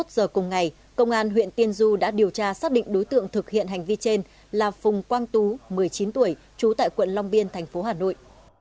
hai mươi giờ cùng ngày công an huyện tiên du đã điều tra xác định đối tượng thực hiện hành vi trên là phùng quang tú một mươi chín tuổi trú tại quận long biên thành phố hà nội